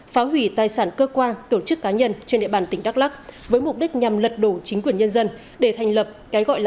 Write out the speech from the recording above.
phá hủy tài sản cơ quan tổ chức cá nhân trên địa bàn tỉnh đắk lắc với mục đích nhằm lật đổ chính quyền nhân dân để thành lập cái gọi là nhà nước đề gà